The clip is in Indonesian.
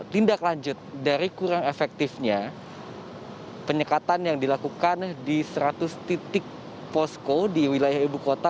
tindak lanjut dari kurang efektifnya penyekatan yang dilakukan di seratus titik posko di wilayah ibu kota